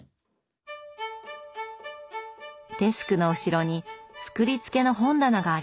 デスクの後ろに作りつけの本棚があります。